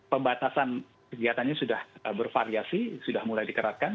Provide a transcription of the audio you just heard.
pembatasan kegiatannya sudah bervariasi sudah mulai dikeratkan